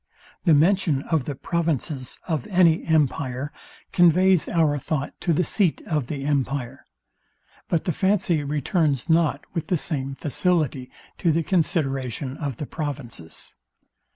The mention of the provinces of any empire conveys our thought to the seat of the empire; but the fancy returns not with the same facility to the consideration of the provinces.